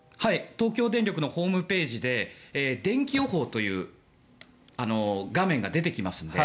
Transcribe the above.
東京電力のホームページででんき予報という画面が出てきますので。